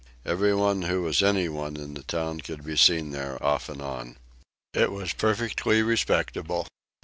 Every one who was any one in the town could be seen there off and on. It was perfectly respectable.